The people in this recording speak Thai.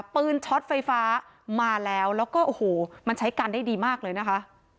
ช็อตไฟฟ้ามาแล้วแล้วก็โอ้โหมันใช้กันได้ดีมากเลยนะคะ